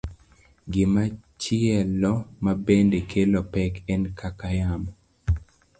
Gimachielo mabende kelo pek en kaka yamo